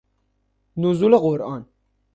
نزول قرآن